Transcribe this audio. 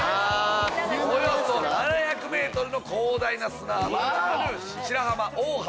およそ７００ｍの広大な砂浜がある。